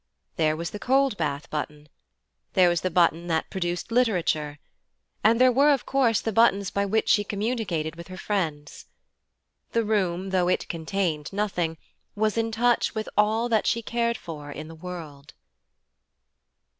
There was the cold bath button. There was the button that produced literature. And there were of course the buttons by which she communicated with her friends. The room, though it contained nothing, was in touch with all that she cared for in the world.